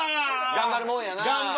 頑張るもんや。